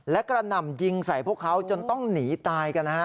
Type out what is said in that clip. และกระหน่ำยิงใส่พวกเขาจนต้องหนีตายกันนะฮะ